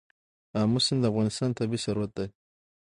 آمو سیند د افغانستان طبعي ثروت دی.